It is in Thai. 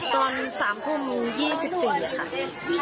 ตอน๓ทุ่ม๒๔นาฬิกาค่ะ